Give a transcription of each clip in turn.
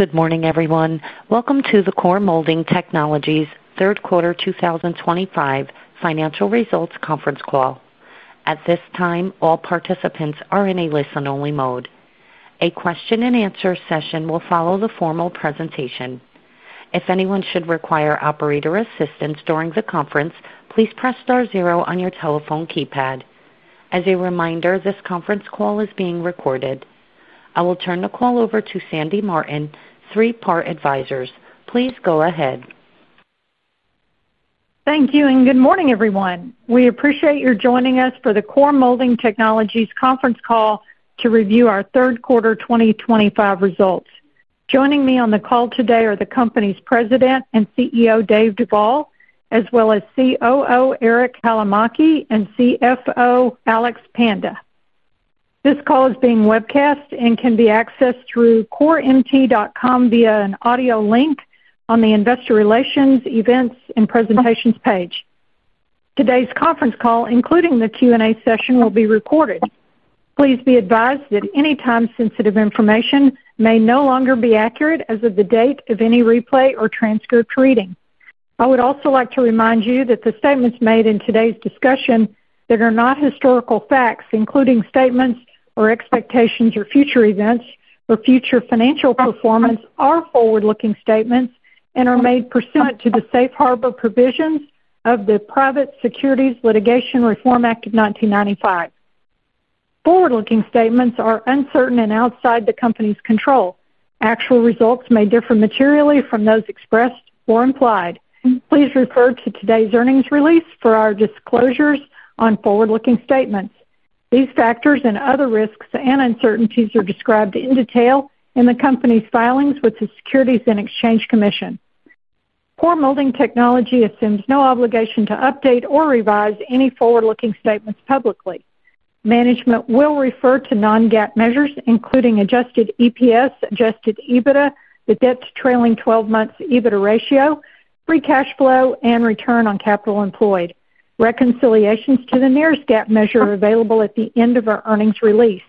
Good morning, everyone. Welcome to the Core Molding Technologies third quarter 2025 financial results conference call. At this time, all participants are in a listen-only mode. A question-and-answer session will follow the formal presentation. If anyone should require operator assistance during the conference, please press star zero on your telephone keypad. As a reminder, this conference call is being recorded. I will turn the call over to Sandy Martin, Three Part Advisors. Please go ahead. Thank you and good morning, everyone. We appreciate your joining us for the Core Molding Technologies conference call to review our third quarter 2025 results. Joining me on the call today are the company's president and CEO, Dave Duvall, as well as COO, Eric Palomaki, and CFO, Alex Panda. This call is being webcast and can be accessed through CoreMT.com via an audio link on the investor relations, events, and presentations page. Today's conference call, including the Q&A session, will be recorded. Please be advised that any time-sensitive information may no longer be accurate as of the date of any replay or transcript reading. I would also like to remind you that the statements made in today's discussion are not historical facts, including statements or expectations or future events or future financial performance or forward-looking statements, and are made pursuant to the safe harbor provisions of the Private Securities Litigation Reform Act of 1995. Forward-looking statements are uncertain and outside the company's control. Actual results may differ materially from those expressed or implied. Please refer to today's earnings release for our disclosures on forward-looking statements. These factors and other risks and uncertainties are described in detail in the company's filings with the Securities and Exchange Commission. Core Molding Technologies assumes no obligation to update or revise any forward-looking statements publicly. Management will refer to non-GAAP measures, including adjusted EPS, adjusted EBITDA, the debt to trailing 12-month EBITDA ratio, free cash flow, and return on capital employed. Reconciliations to the nearest GAAP measure are available at the end of our earnings release.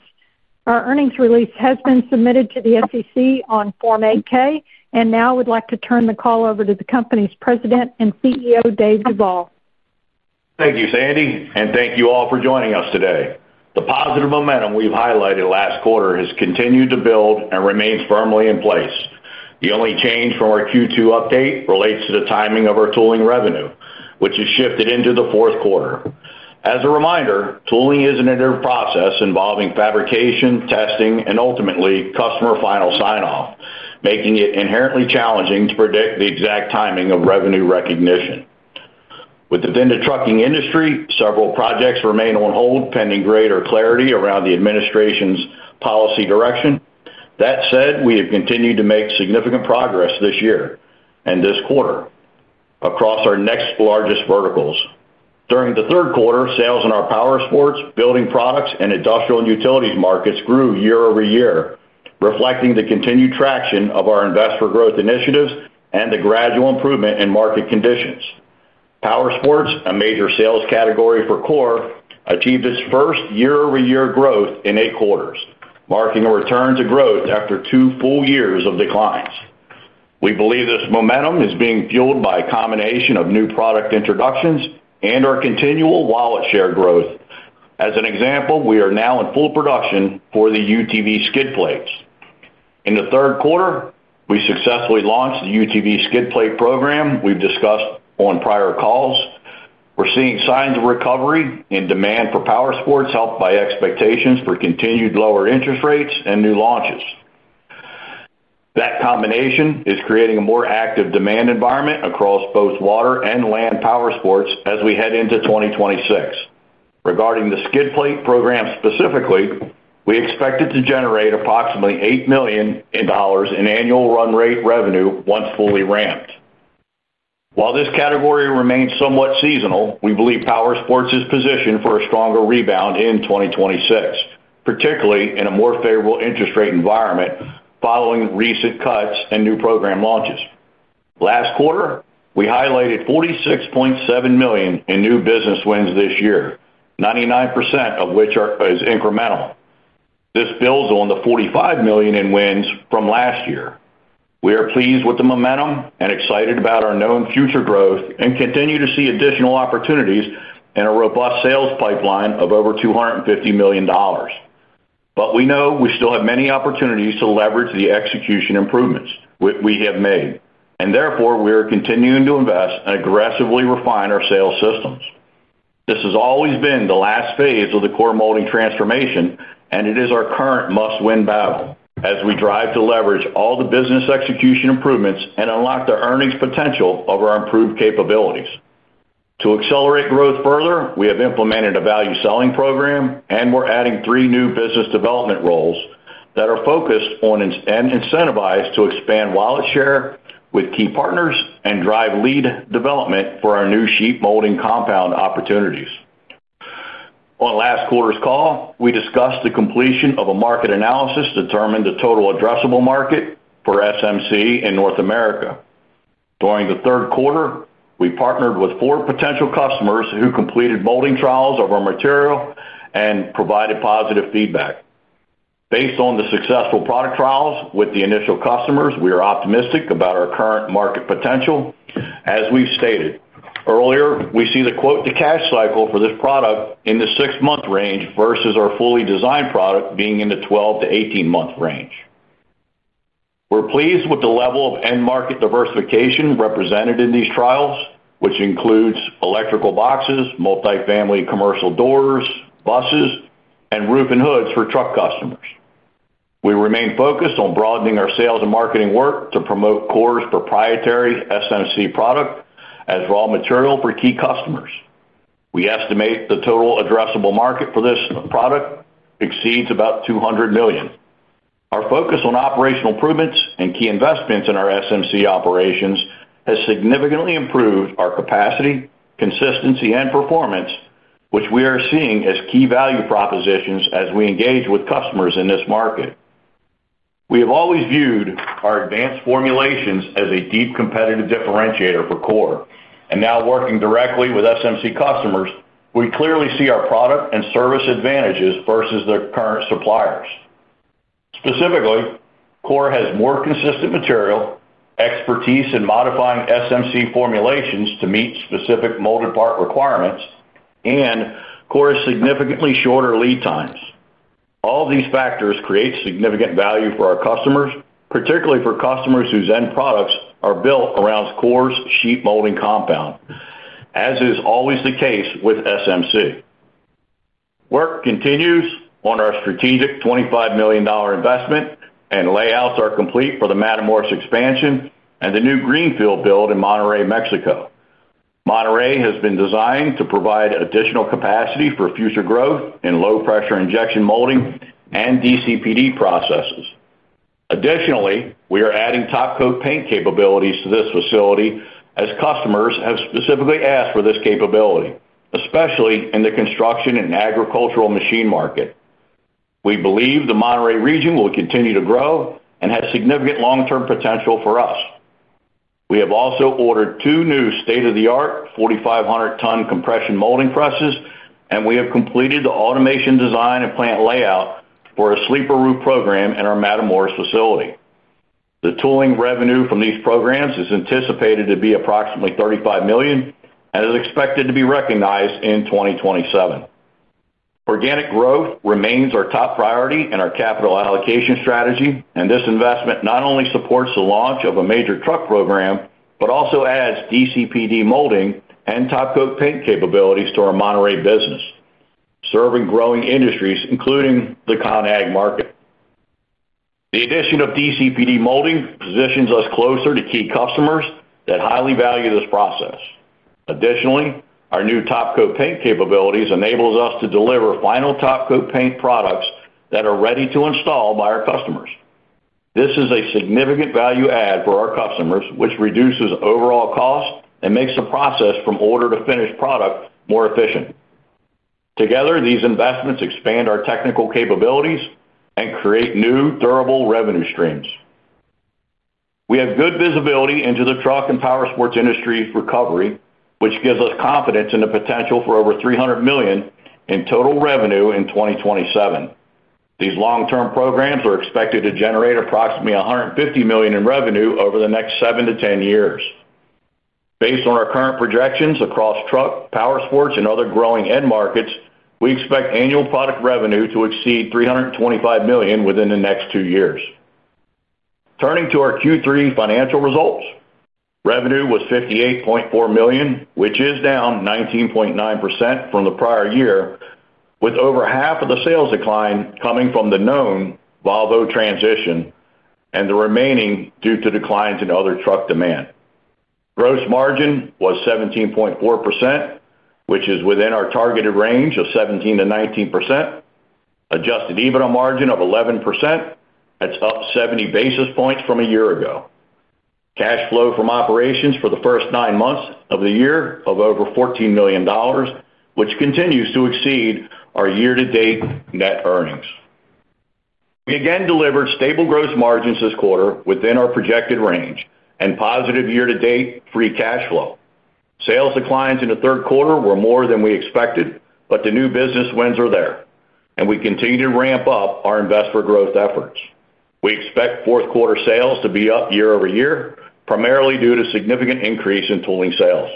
Our earnings release has been submitted to the SEC on Form 8-K, and now I would like to turn the call over to the company's president and CEO, Dave Duvall. Thank you, Sandy, and thank you all for joining us today. The positive momentum we've highlighted last quarter has continued to build and remains firmly in place. The only change from our Q2 update relates to the timing of our tooling revenue, which has shifted into the fourth quarter. As a reminder, tooling is an iterative process involving fabrication, testing, and ultimately customer final sign-off, making it inherently challenging to predict the exact timing of revenue recognition. Within the trucking industry, several projects remain on hold pending greater clarity around the administration's policy direction. That said, we have continued to make significant progress this year and this quarter across our next largest verticals. During the third quarter, sales in our power sports, building products, and industrial and utilities markets grew year over year, reflecting the continued traction of our investment growth initiatives and the gradual improvement in market conditions. Power sports, a major sales category for Core, achieved its first year-over-year growth in eight quarters, marking a return to growth after two full years of declines. We believe this momentum is being fueled by a combination of new product introductions and our continual wallet share growth. As an example, we are now in full production for the UTV skid plates. In the third quarter, we successfully launched the UTV skid plate program we've discussed on prior calls. We're seeing signs of recovery in demand for power sports, helped by expectations for continued lower interest rates and new launches. That combination is creating a more active demand environment across both water and land power sports as we head into 2026. Regarding the skid plate program specifically, we expect it to generate approximately $8 million in annual run rate revenue once fully ramped. While this category remains somewhat seasonal, we believe power sports is positioned for a stronger rebound in 2026, particularly in a more favorable interest rate environment following recent cuts and new program launches. Last quarter, we highlighted $46.7 million in new business wins this year, 99% of which is incremental. This builds on the $45 million in wins from last year. We are pleased with the momentum and excited about our known future growth and continue to see additional opportunities in a robust sales pipeline of over $250 million. But we know we still have many opportunities to leverage the execution improvements we have made, and therefore we are continuing to invest and aggressively refine our sales systems. This has always been the last phase of the Core Molding transformation, and it is our current must-win battle as we drive to leverage all the business execution improvements and unlock the earnings potential of our improved capabilities. To accelerate growth further, we have implemented a value selling program, and we're adding three new business development roles that are focused on and incentivized to expand wallet share with key partners and drive lead development for our new sheet molding compound opportunities. On last quarter's call, we discussed the completion of a market analysis to determine the total addressable market for SMC in North America. During the third quarter, we partnered with four potential customers who completed molding trials of our material and provided positive feedback. Based on the successful product trials with the initial customers, we are optimistic about our current market potential. As we've stated earlier, we see the quote-to-cash cycle for this product in the six-month range versus our fully designed product being in the 12-18 months range. We're pleased with the level of end-market diversification represented in these trials, which includes electrical boxes, multifamily commercial doors, buses, and roof and hoods for truck customers. We remain focused on broadening our sales and marketing work to promote Core's proprietary SMC product as raw material for key customers. We estimate the total addressable market for this product exceeds about $200 million. Our focus on operational improvements and key investments in our SMC operations has significantly improved our capacity, consistency, and performance, which we are seeing as key value propositions as we engage with customers in this market. We have always viewed our advanced formulations as a deep competitive differentiator for Core, and now working directly with SMC customers, we clearly see our product and service advantages versus their current suppliers. Specifically, Core has more consistent material, expertise in modifying SMC formulations to meet specific molded part requirements, and Core has significantly shorter lead times. All of these factors create significant value for our customers, particularly for customers whose end products are built around Core's sheet molding compound. As is always the case with SMC. Work continues on our strategic $25 million investment, and layouts are complete for the Matamoros expansion and the new greenfield build in Monterrey, Mexico. Monterrey has been designed to provide additional capacity for future growth in low-pressure injection molding and DCPD processes. Additionally, we are adding top-coat paint capabilities to this facility as customers have specifically asked for this capability, especially in the construction and agricultural machine market. We believe the Monterrey region will continue to grow and has significant long-term potential for us. We have also ordered two new state-of-the-art 4,500-ton compression molding presses, and we have completed the automation design and plant layout for a sleeper roof program in our Matamoros facility. The tooling revenue from these programs is anticipated to be approximately $35 million and is expected to be recognized in 2027. Organic growth remains our top priority in our capital allocation strategy, and this investment not only supports the launch of a major truck program but also adds DCPD molding and top-coat paint capabilities to our Monterrey business. Serving growing industries, including the Con Ag market. The addition of DCPD molding positions us closer to key customers that highly value this process. Additionally, our new top-coat paint capabilities enable us to deliver final top-coat paint products that are ready to install by our customers. This is a significant value add for our customers, which reduces overall cost and makes the process from order-to-finish product more efficient. Together, these investments expand our technical capabilities and create new durable revenue streams. We have good visibility into the truck and power sports industry recovery, which gives us confidence in the potential for over $300 million in total revenue in 2027. These long-term programs are expected to generate approximately $150 million in revenue over the next 7-10 years. Based on our current projections across truck, power sports, and other growing end markets, we expect annual product revenue to exceed $325 million within the next two years. Turning to our Q3 financial results, revenue was $58.4 million, which is down 19.9% from the prior year, with over half of the sales decline coming from the known Volvo transition and the remaining due to declines in other truck demand. Gross margin was 17.4%, which is within our targeted range of 17%-19%. Adjusted EBITDA margin of 11%. It's up 70 basis points from a year ago. Cash flow from operations for the first nine months of the year of over $14 million, which continues to exceed our year-to-date net earnings. We again delivered stable gross margins this quarter within our projected range and positive year-to-date free cash flow. Sales declines in the third quarter were more than we expected, but the new business wins are there, and we continue to ramp up our investor growth efforts. We expect fourth-quarter sales to be up year over year, primarily due to significant increase in tooling sales.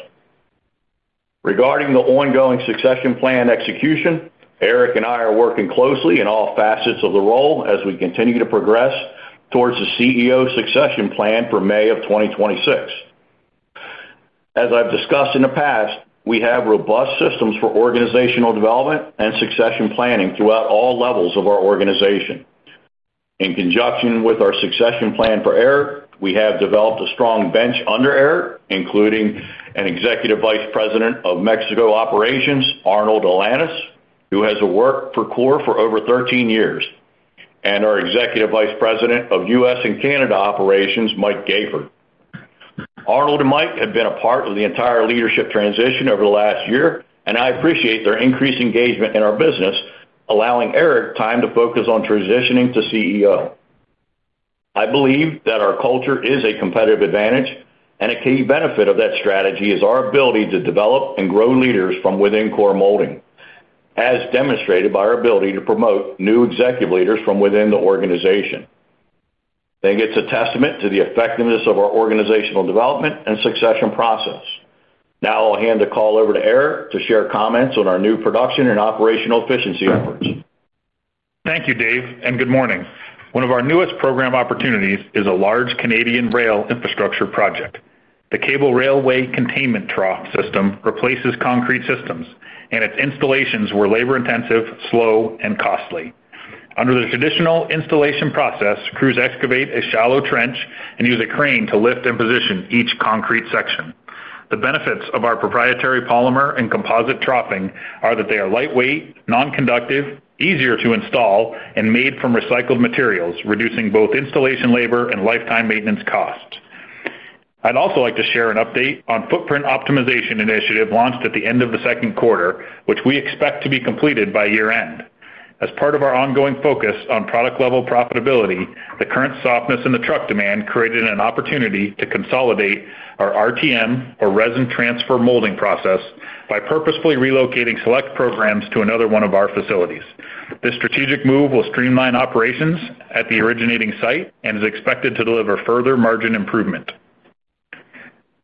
Regarding the ongoing succession plan execution, Eric and I are working closely in all facets of the role as we continue to progress towards the CEO succession plan for May of 2026. As I've discussed in the past, we have robust systems for organizational development and succession planning throughout all levels of our organization. In conjunction with our succession plan for Eric, we have developed a strong bench under Eric, including an Executive Vice President of Mexico operations, Arnold Alanis, who has worked for Core for over 13 years, and our Executive Vice President of U.S. and Canada operations, Mike Gayford. Arnold and Mike have been a part of the entire leadership transition over the last year, and I appreciate their increased engagement in our business, allowing Eric time to focus on transitioning to CEO. I believe that our culture is a competitive advantage, and a key benefit of that strategy is our ability to develop and grow leaders from within Core Molding, as demonstrated by our ability to promote new executive leaders from within the organization. I think it's a testament to the effectiveness of our organizational development and succession process. Now I'll hand the call over to Eric to share comments on our new production and operational efficiency efforts. Thank you, Dave, and good morning. One of our newest program opportunities is a large Canadian rail infrastructure project. The cable railway containment trough system replaces concrete systems, and its installations were labor-intensive, slow, and costly. Under the traditional installation process, crews excavate a shallow trench and use a crane to lift and position each concrete section. The benefits of our proprietary polymer and composite troughing are that they are lightweight, non-conductive, easier to install, and made from recycled materials, reducing both installation labor and lifetime maintenance costs. I'd also like to share an update on the footprint optimization initiative launched at the end of the second quarter, which we expect to be completed by year-end. As part of our ongoing focus on product-level profitability, the current softness in the truck demand created an opportunity to consolidate our RTM, or Resin Transfer Molding process, by purposefully relocating select programs to another one of our facilities. This strategic move will streamline operations at the originating site and is expected to deliver further margin improvement.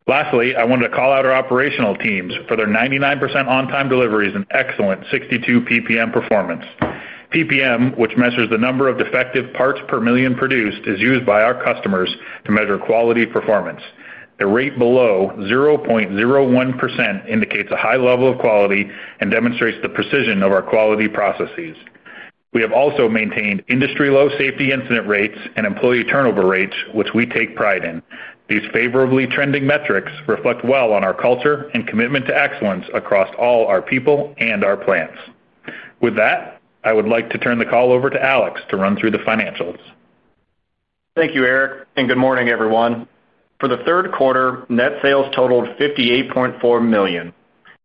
Lastly, I wanted to call out our operational teams for their 99% on-time deliveries and excellent 62 PPM performance. PPM, which measures the number of defective parts per million produced, is used by our customers to measure quality performance. A rate below 0.01% indicates a high level of quality and demonstrates the precision of our quality processes. We have also maintained industry-low safety incident rates and employee turnover rates, which we take pride in. These favorably trending metrics reflect well on our culture and commitment to excellence across all our people and our plants. With that, I would like to turn the call over to Alex to run through the financials. Thank you, Eric, and good morning, everyone. For the third quarter, net sales totaled $58.4 million.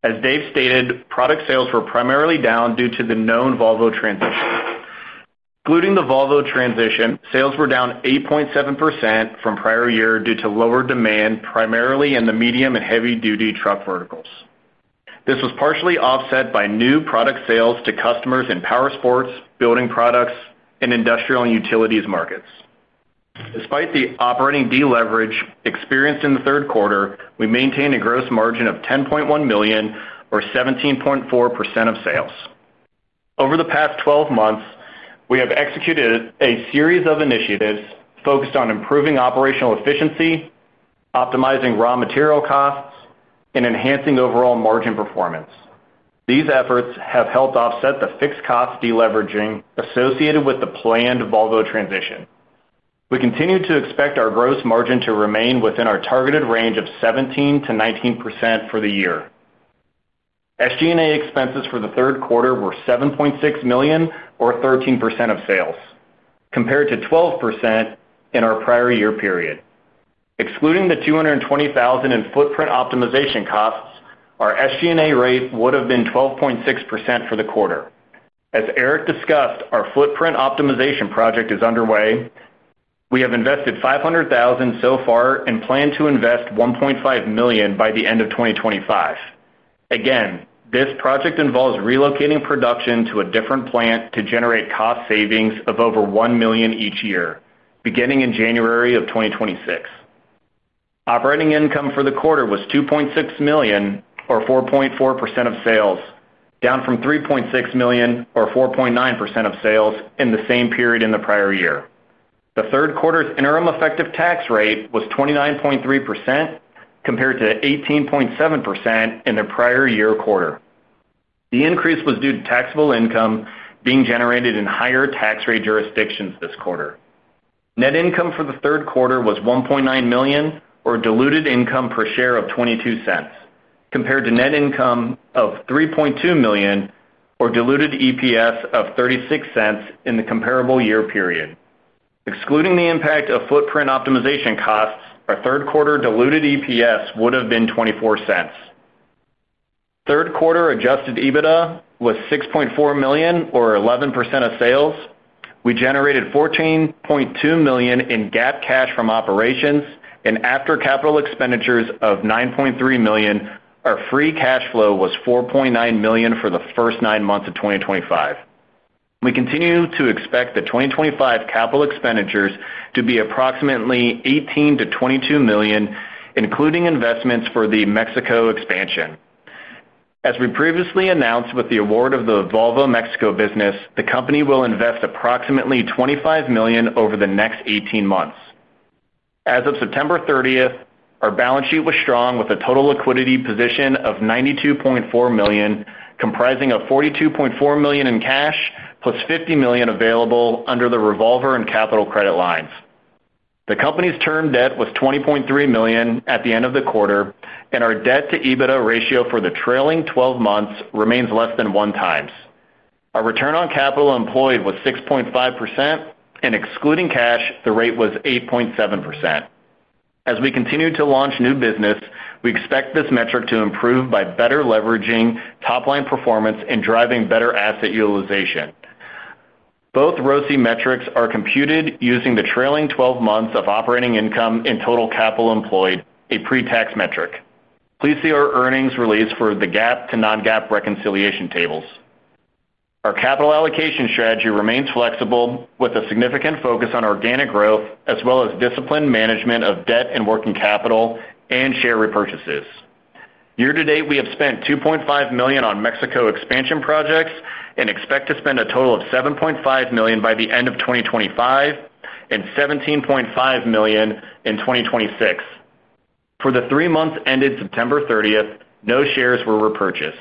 As Dave stated, product sales were primarily down due to the known Volvo transition. Including the Volvo transition, sales were down 8.7% from prior year due to lower demand primarily in the medium and heavy-duty truck verticals. This was partially offset by new product sales to customers in power sports, building products, and industrial and utilities markets. Despite the operating deleverage experienced in the third quarter, we maintained a gross margin of $10.1 million, or 17.4% of sales. Over the past 12 months, we have executed a series of initiatives focused on improving operational efficiency, optimizing raw material costs, and enhancing overall margin performance. These efforts have helped offset the fixed cost deleveraging associated with the planned Volvo transition. We continue to expect our gross margin to remain within our targeted range of 17%-19% for the year. SG&A expenses for the third quarter were $7.6 million, or 13% of sales, compared to 12% in our prior year period. Excluding the $220,000 in footprint optimization costs, our SG&A rate would have been 12.6% for the quarter. As Eric discussed, our footprint optimization project is underway. We have invested $500,000 so far and plan to invest $1.5 million by the end of 2025. Again, this project involves relocating production to a different plant to generate cost savings of over $1 million each year, beginning in January of 2026. Operating income for the quarter was $2.6 million, or 4.4% of sales, down from $3.6 million, or 4.9% of sales, in the same period in the prior year. The third quarter's interim effective tax rate was 29.3%, compared to 18.7% in the prior year quarter. The increase was due to taxable income being generated in higher tax rate jurisdictions this quarter. Net income for the third quarter was $1.9 million, or diluted income per share of $0.22, compared to net income of $3.2 million, or diluted EPS of $0.36 in the comparable year period. Excluding the impact of footprint optimization costs, our third quarter diluted EPS would have been $0.24. Third quarter Adjusted EBITDA was $6.4 million, or 11% of sales. We generated $14.2 million in GAAP cash from operations and after capital expenditures of $9.3 million. Our free cash flow was $4.9 million for the first nine months of 2025. We continue to expect the 2025 capital expenditures to be approximately $18-$22 million, including investments for the Mexico expansion. As we previously announced with the award of the Volvo Mexico business, the company will invest approximately $25 million over the next 18 months. As of September 30th, our balance sheet was strong with a total liquidity position of $92.4 million, comprising $42.4 million in cash plus $50 million available under the revolver and capital credit lines. The company's long-term debt was $20.3 million at the end of the quarter, and our debt-to-EBITDA ratio for the trailing 12 months remains less than one times. Our return on capital employed was 6.5%, and excluding cash, the rate was 8.7%. As we continue to launch new business, we expect this metric to improve by better leveraging top-line performance and driving better asset utilization. Both ROCE metrics are computed using the trailing 12 months of operating income and total capital employed, a pre-tax metric. Please see our earnings release for the GAAP to non-GAAP reconciliation tables. Our capital allocation strategy remains flexible, with a significant focus on organic growth as well as disciplined management of debt and working capital and share repurchases. Year-to-date, we have spent $2.5 million on Mexico expansion projects and expect to spend a total of $7.5 million by the end of 2025 and $17.5 million in 2026. For the three months ended September 30th, no shares were repurchased,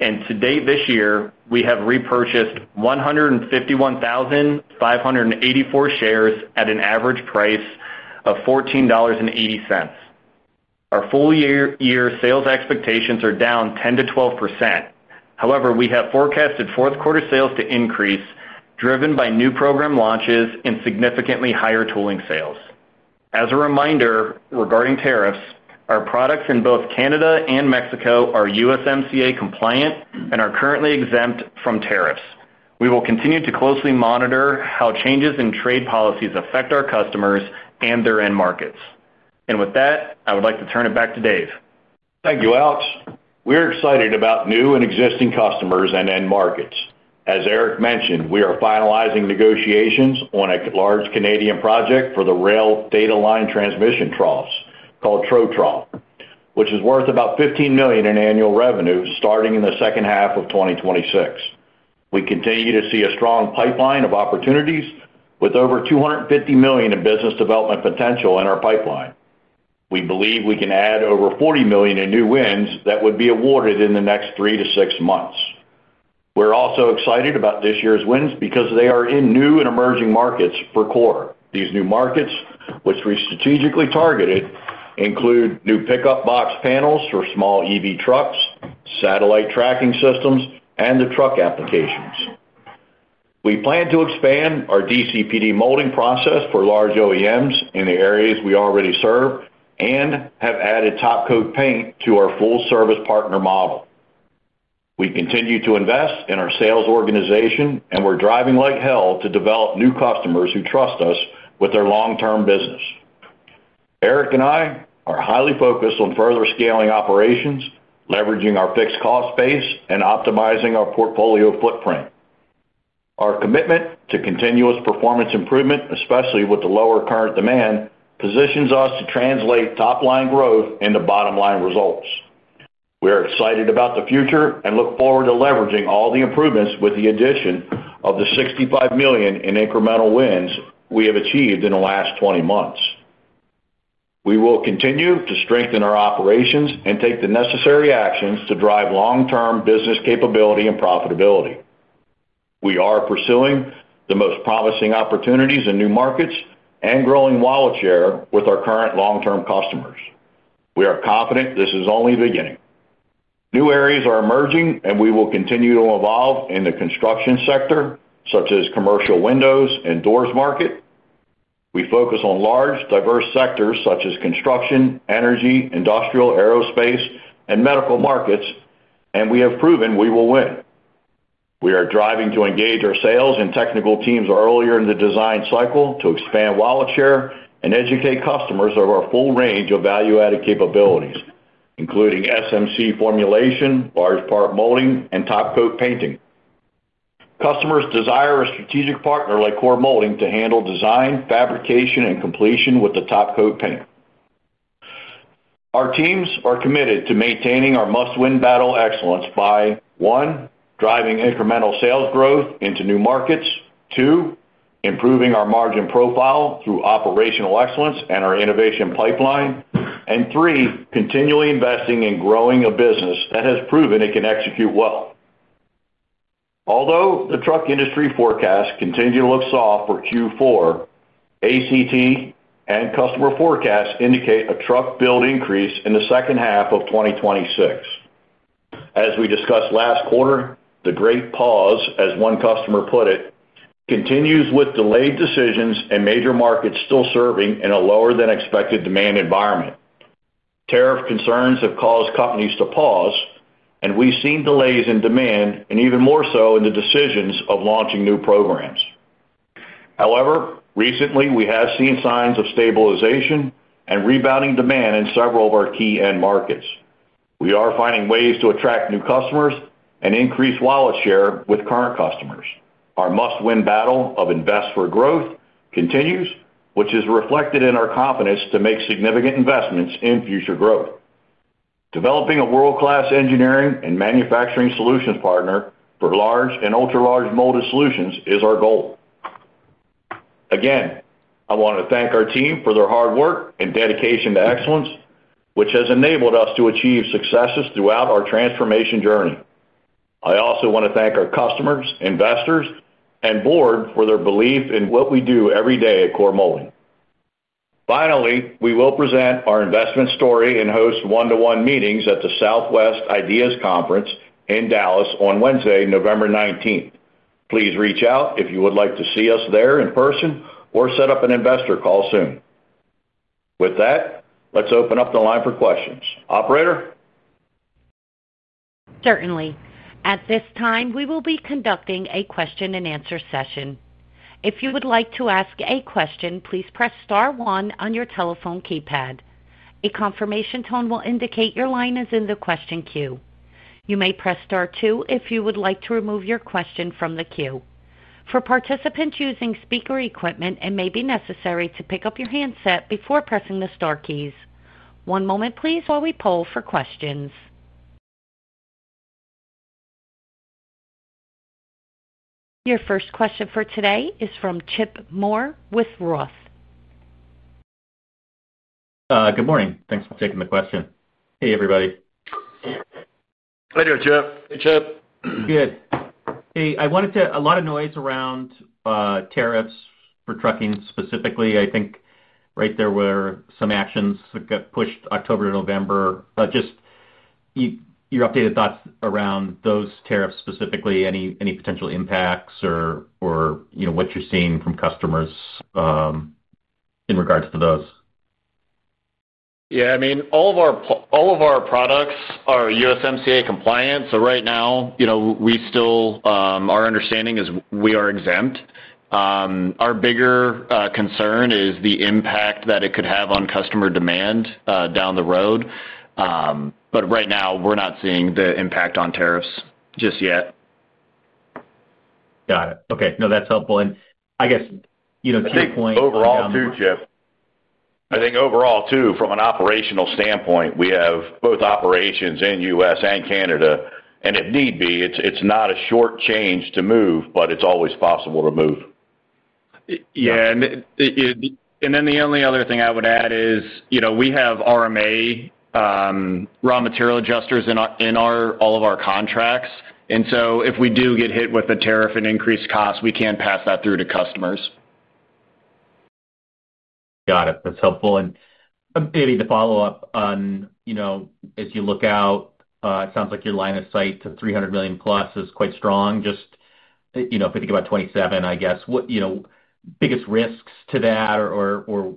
and to date this year, we have repurchased 151,584 shares at an average price of $14.80. Our full-year sales expectations are down 10%-12%. However, we have forecasted fourth-quarter sales to increase, driven by new program launches and significantly higher tooling sales. As a reminder, regarding tariffs, our products in both Canada and Mexico are USMCA compliant and are currently exempt from tariffs. We will continue to closely monitor how changes in trade policies affect our customers and their end markets, and with that, I would like to turn it back to Dave. Thank you, Alex. We're excited about new and existing customers and end markets. As Eric mentioned, we are finalizing negotiations on a large Canadian project for the cable railway containment trough system, which is worth about $15 million in annual revenue starting in the second half of 2026. We continue to see a strong pipeline of opportunities with over $250 million in business development potential in our pipeline. We believe we can add over $40 million in new wins that would be awarded in the next three to six months. We're also excited about this year's wins because they are in new and emerging markets for Core. These new markets, which we strategically targeted, include new pickup box panels for small EV trucks, satellite tracking systems, and the truck applications. We plan to expand our DCPD molding process for large OEMs in the areas we already serve and have added top-coat paint to our full-service partner model. We continue to invest in our sales organization, and we're driving like hell to develop new customers who trust us with their long-term business. Eric and I are highly focused on further scaling operations, leveraging our fixed cost space, and optimizing our portfolio footprint. Our commitment to continuous performance improvement, especially with the lower current demand, positions us to translate top-line growth into bottom-line results. We are excited about the future and look forward to leveraging all the improvements with the addition of the $65 million in incremental wins we have achieved in the last 20 months. We will continue to strengthen our operations and take the necessary actions to drive long-term business capability and profitability. We are pursuing the most promising opportunities in new markets and growing wallet share with our current long-term customers. We are confident this is only the beginning. New areas are emerging, and we will continue to evolve in the construction sector, such as commercial windows and doors market. We focus on large, diverse sectors such as construction, energy, industrial, aerospace, and medical markets, and we have proven we will win. We are driving to engage our sales and technical teams earlier in the design cycle to expand wallet share and educate customers of our full range of value-added capabilities, including SMC formulation, large-part molding, and top-coat painting. Customers desire a strategic partner like Core Molding to handle design, fabrication, and completion with the top-coat paint. Our teams are committed to maintaining our must-win battle excellence by, one, driving incremental sales growth into new markets; two, improving our margin profile through operational excellence and our innovation pipeline; and three, continually investing in growing a business that has proven it can execute well. Although the truck industry forecasts continue to look soft for Q4. ACT and customer forecasts indicate a truck build increase in the second half of 2026. As we discussed last quarter, the great pause, as one customer put it, continues with delayed decisions and major markets still serving in a lower-than-expected demand environment. Tariff concerns have caused companies to pause, and we've seen delays in demand and even more so in the decisions of launching new programs. However, recently, we have seen signs of stabilization and rebounding demand in several of our key end markets. We are finding ways to attract new customers and increase wallet share with current customers. Our must-win battle of invest for growth continues, which is reflected in our confidence to make significant investments in future growth. Developing a world-class engineering and manufacturing solutions partner for large and ultra-large molded solutions is our goal. Again, I want to thank our team for their hard work and dedication to excellence, which has enabled us to achieve successes throughout our transformation journey. I also want to thank our customers, investors, and board for their belief in what we do every day at Core Molding. Finally, we will present our investment story and host one-to-one meetings at the Southwest IDEAS Conference in Dallas on Wednesday, November 19th. Please reach out if you would like to see us there in person or set up an investor call soon. With that, let's open up the line for questions. Operator? Certainly. At this time, we will be conducting a question-and-answer session. If you would like to ask a question, please press star one on your telephone keypad. A confirmation tone will indicate your line is in the question queue. You may press star two if you would like to remove your question from the queue. For participants using speaker equipment, it may be necessary to pick up your handset before pressing the star keys. One moment, please, while we poll for questions. Your first question for today is from Chip Moore with ROTH. Good morning. Thanks for taking the question. Hey, everybody. Hi there, Chip. Hey, Chip. Good. Hey, I wanted to—a lot of noise around tariffs for trucking specifically. I think right there were some actions that got pushed October to November. Just your updated thoughts around those tariffs specifically, any potential impacts or what you're seeing from customers in regards to those? Yeah. I mean, all of our products are USMCA compliant. So right now, we still, our understanding is we are exempt. Our bigger concern is the impact that it could have on customer demand down the road. But right now, we're not seeing the impact on tariffs just yet. Got it. Okay. No, that's helpful, and I guess to your point. I think overall too, Chip, from an operational standpoint, we have both operations in the U.S. and Canada, and if need be, it's not a short change to move, but it's always possible to move. Yeah, and then the only other thing I would add is we have RMA, raw material adjusters in all of our contracts, and so if we do get hit with a tariff and increased costs, we can pass that through to customers. Got it. That's helpful. And maybe to follow up on. As you look out, it sounds like your line of sight to $300 million plus is quite strong. Just. If we think about 2027, I guess. Biggest risks to that or.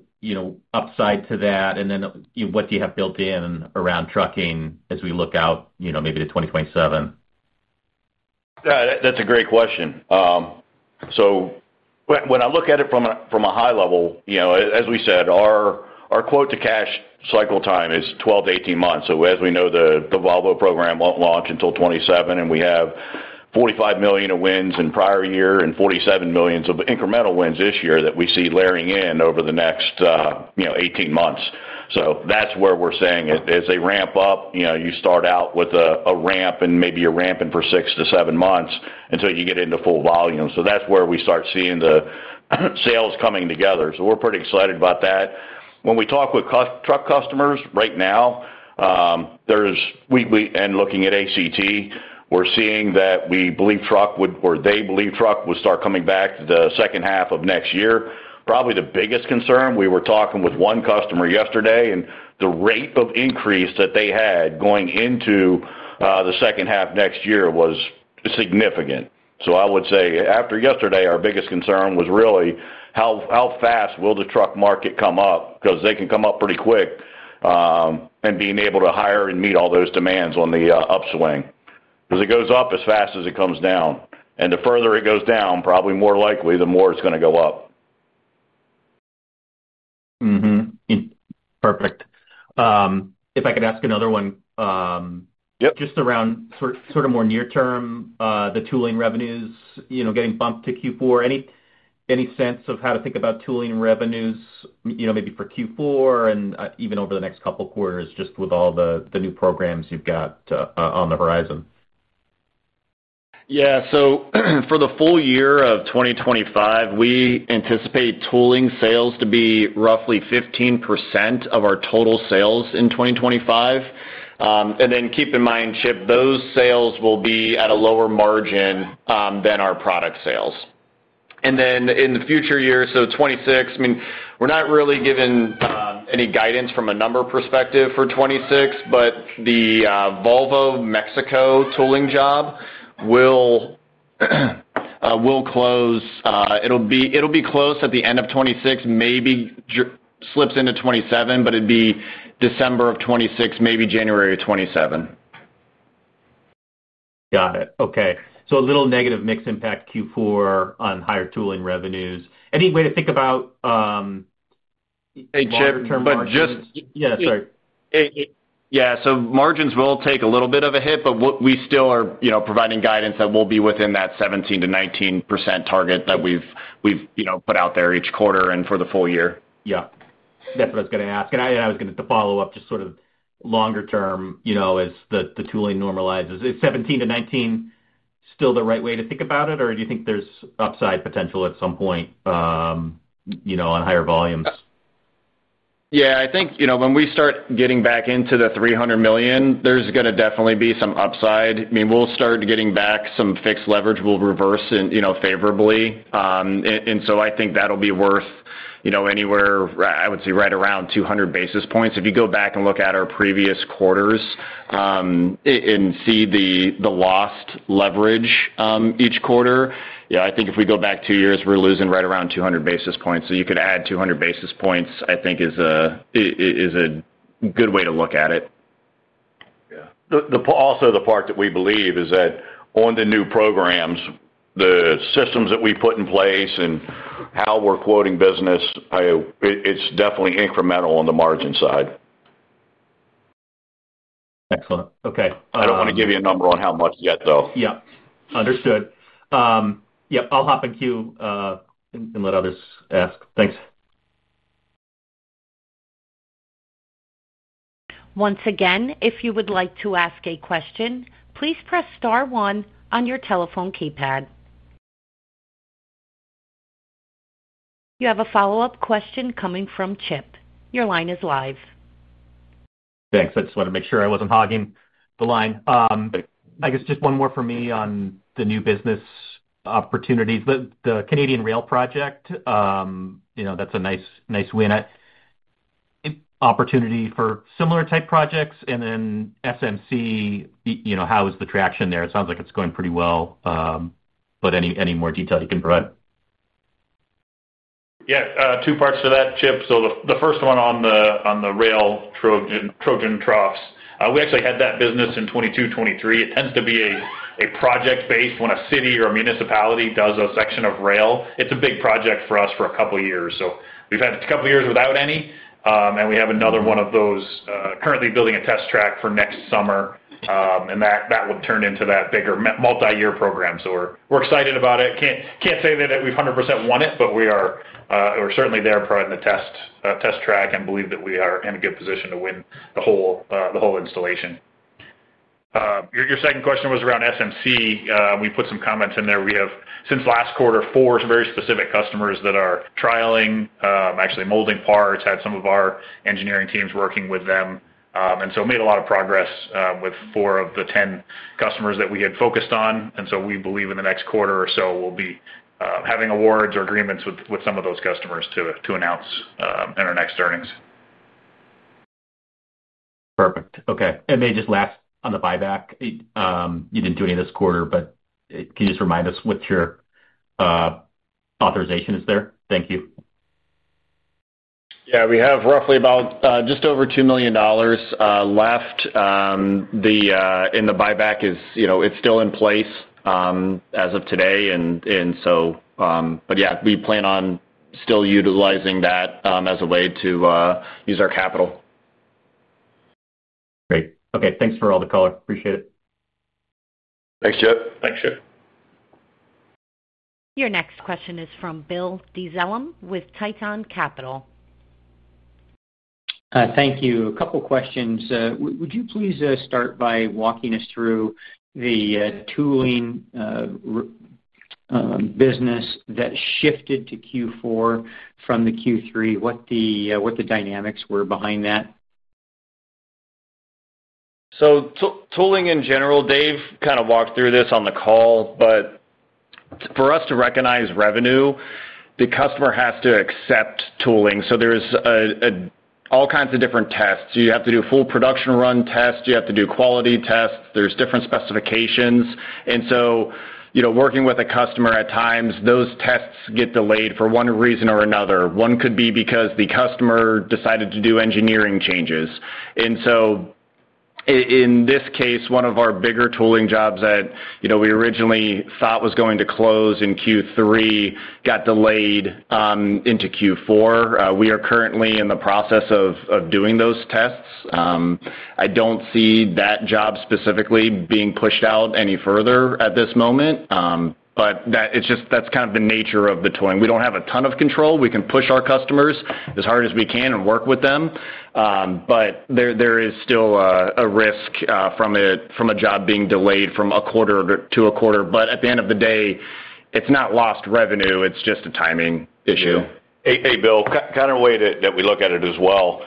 Upside to that? And then what do you have built in around trucking as we look out maybe to 2027? Yeah. That's a great question. So. When I look at it from a high level, as we said, our quote-to-cash cycle time is 12-18 months. So as we know, the Volvo program won't launch until 2027, and we have $45 million of wins in the prior year and $47 million of incremental wins this year that we see layering in over the next 18 months. So that's where we're saying it. As they ramp up, you start out with a ramp and maybe you're ramping for six to seven months until you get into full volume. So that's where we start seeing the sales coming together. So we're pretty excited about that. When we talk with truck customers right now. And looking at ACT, we're seeing that we believe truck or they believe truck will start coming back the second half of next year. Probably the biggest concern, we were talking with one customer yesterday, and the rate of increase that they had going into the second half next year was significant. So I would say after yesterday, our biggest concern was really how fast will the truck market come up because they can come up pretty quick. And being able to hire and meet all those demands on the upswing. Because it goes up as fast as it comes down. And the further it goes down, probably more likely the more it's going to go up. Perfect. If I could ask another one. Just around sort of more near-term, the tooling revenues getting bumped to Q4. Any sense of how to think about tooling revenues maybe for Q4 and even over the next couple of quarters just with all the new programs you've got on the horizon? Yeah. So for the full year of 2025, we anticipate tooling sales to be roughly 15% of our total sales in 2025. And then keep in mind, Chip, those sales will be at a lower margin than our product sales. And then in the future year, so 2026, I mean, we're not really given any guidance from a number perspective for 2026, but the Volvo Mexico tooling job will close. It'll be close at the end of 2026, maybe slips into 2027, but it'd be December of 2026, maybe January of 2027. Got it. Okay. So a little negative mix impact Q4 on higher tooling revenues. Any way to think about gross margins? Hey, Chip, but just. Yeah, sorry. Yeah. So margins will take a little bit of a hit, but we still are providing guidance that we'll be within that 17%-19% target that we've put out there each quarter and for the full year. Yeah. That's what I was going to ask, and I was going to follow up just sort of longer term as the tooling normalizes. Is 17%-19% still the right way to think about it, or do you think there's upside potential at some point on higher volumes? Yeah. I think when we start getting back into the $300 million, there's going to definitely be some upside. I mean, we'll start getting back some fixed leverage. We'll reverse it favorably. And so I think that'll be worth anywhere, I would say, right around 200 basis points. If you go back and look at our previous quarters and see the lost leverage each quarter, yeah, I think if we go back two years, we're losing right around 200 basis points. So you could add 200 basis points, I think, is a good way to look at it. Yeah. Also, the part that we believe is that on the new programs, the systems that we put in place and how we're quoting business. It's definitely incremental on the margin side. Excellent. Okay. I don't want to give you a number on how much yet, though. Yeah. Understood. Yeah. I'll hop in queue. And let others ask. Thanks. Once again, if you would like to ask a question, please press star one on your telephone keypad. You have a follow-up question coming from Chip. Your line is live. Thanks. I just wanted to make sure I wasn't hogging the line. I guess just one more for me on the new business opportunities. The Canadian Rail Project, that's a nice win, opportunity for similar type projects. And then SMC, how is the traction there? It sounds like it's going pretty well. But any more detail you can provide? Yeah. Two parts to that, Chip. So the first one on the rail Trojan troughs. We actually had that business in 2022, 2023. It tends to be a project-based when a city or a municipality does a section of rail. It's a big project for us for a couple of years. So we've had a couple of years without any. And we have another one of those currently building a test track for next summer. And that would turn into that bigger multi-year program. So we're excited about it. Can't say that we've 100% won it, but we're certainly there in the test track and believe that we are in a good position to win the whole installation. Your second question was around SMC. We put some comments in there. We have, since last quarter, four very specific customers that are trialing, actually molding parts, had some of our engineering teams working with them. And so made a lot of progress with 4 of the 10 customers that we had focused on. And so we believe in the next quarter or so, we'll be having awards or agreements with some of those customers to announce in our next earnings. Perfect. Okay. And then just last on the buyback. You didn't do any in this quarter, but can you just remind us what your authorization is there? Thank you. Yeah. We have roughly about just over $2 million left in the buyback. It's still in place as of today. But yeah, we plan on still utilizing that as a way to use our capital. Great. Okay. Thanks for all the color. Appreciate it. Thanks, Chip. Thanks, Chip. Your next question is from Bill Dezellem with Tieton Capital. Thank you. A couple of questions. Would you please start by walking us through the tooling business that shifted to Q4 from the Q3? What the dynamics were behind that? So, tooling in general, Dave kind of walked through this on the call, but for us to recognize revenue, the customer has to accept tooling. So there's all kinds of different tests. You have to do full production run tests. You have to do quality tests. There's different specifications. And so, working with a customer at times, those tests get delayed for one reason or another. One could be because the customer decided to do engineering changes. And so, in this case, one of our bigger tooling jobs that we originally thought was going to close in Q3 got delayed into Q4. We are currently in the process of doing those tests. I don't see that job specifically being pushed out any further at this moment. But that's kind of the nature of the tooling. We don't have a ton of control. We can push our customers as hard as we can and work with them. But there is still a risk from a job being delayed from a quarter to a quarter. But at the end of the day, it's not lost revenue. It's just a timing issue. Hey, Bill, kind of a way that we look at it as well.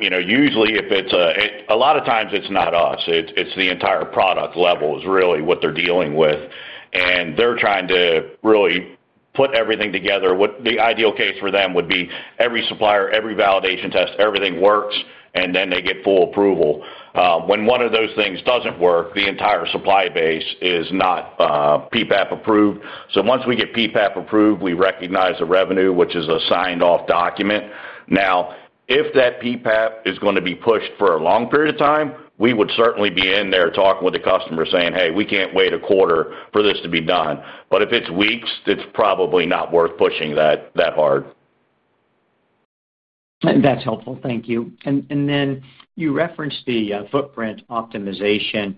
Usually, if it's a lot of times, it's not us. It's the entire product level is really what they're dealing with. And they're trying to really put everything together. The ideal case for them would be every supplier, every validation test, everything works, and then they get full approval. When one of those things doesn't work, the entire supply base is not PPAP approved. So once we get PPAP approved, we recognize the revenue, which is a signed-off document. Now, if that PPAP is going to be pushed for a long period of time, we would certainly be in there talking with the customer saying, "Hey, we can't wait a quarter for this to be done." But if it's weeks, it's probably not worth pushing that hard. That's helpful. Thank you. And then you referenced the footprint optimization.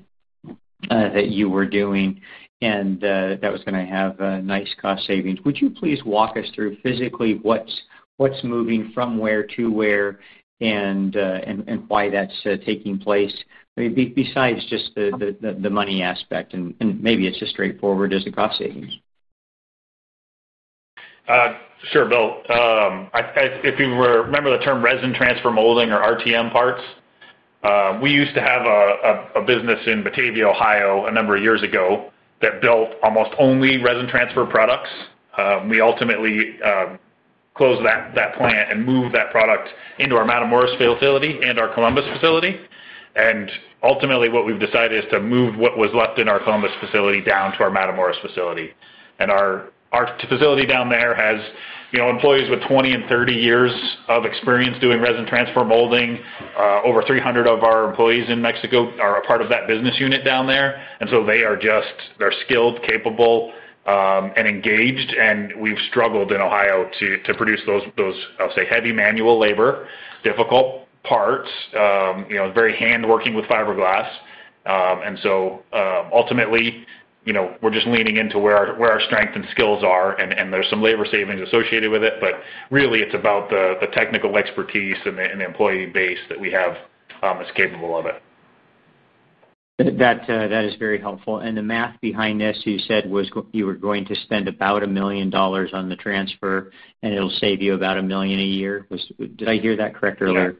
That you were doing, and that was going to have nice cost savings. Would you please walk us through physically what's moving from where to where and why that's taking place? Besides just the money aspect, and maybe it's just straightforward as a cost savings. Sure, Bill. If you remember the term resin transfer molding or RTM parts. We used to have a business in Batavia, Ohio, a number of years ago that built almost only resin transfer products. We ultimately closed that plant and moved that product into our Matamoros facility and our Columbus facility, and ultimately, what we've decided is to move what was left in our Columbus facility down to our Matamoros facility, and our facility down there has employees with 20 and 30 years of experience doing resin transfer molding. Over 300 of our employees in Mexico are a part of that business unit down there, and so they are skilled, capable, and engaged, and we've struggled in Ohio to produce those, I'll say, heavy manual labor, difficult parts, very hands-on working with fiberglass, and so ultimately, we're just leaning into where our strength and skills are, and there's some labor savings associated with it, but really, it's about the technical expertise and the employee base that we have that's capable of it. That is very helpful, and the math behind this, you said you were going to spend about $1 million on the transfer, and it'll save you about $1 million a year. Did I hear that correct earlier?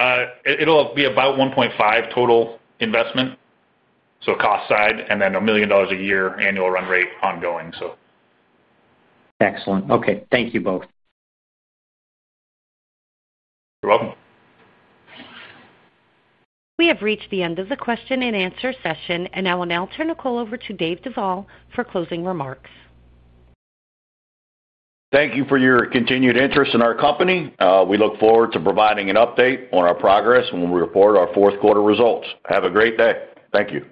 Yeah. It'll be about $1.5 million total investment. So, cost side, and then $1 million a year annual run rate ongoing, so. Excellent. Okay. Thank you both. You're welcome. We have reached the end of the question-and-answer session, and I will now turn the call over to Dave Duvall for closing remarks. Thank you for your continued interest in our company. We look forward to providing an update on our progress when we report our fourth quarter results. Have a great day. Thank you.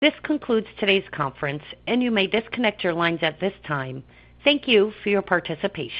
This concludes today's conference, and you may disconnect your lines at this time. Thank you for your participation.